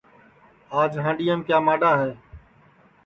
آج ھانڈؔیام کیا ماڈؔا ہے